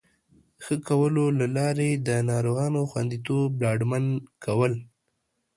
ښه کولو له لارې د ناروغانو خوندیتوب ډاډمن کول